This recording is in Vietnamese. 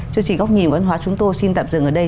các quốc nghìn văn hóa chúng tôi xin tập dừng ở đây